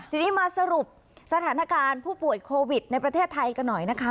ทีนี้มาสรุปสถานการณ์ผู้ป่วยโควิดในประเทศไทยกันหน่อยนะคะ